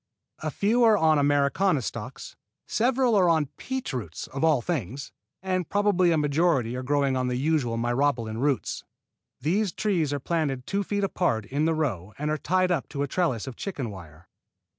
A few are on Americana stocks, several are on peach roots (of all things), and probably a majority are growing on the usual Myrobalan roots. These trees are planted two feet apart in the row and are tied up to a trellis of chicken wire.